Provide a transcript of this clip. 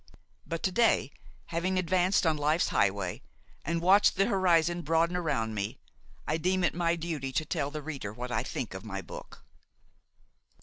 But to day, having advanced on life's highway and watched the horizon broaden around me, I deem it my duty to tell the reader what I think of my book.